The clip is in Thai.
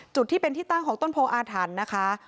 จุดที่เป็นที่ตั้งของต้นโพออาถรรพ์นะคะ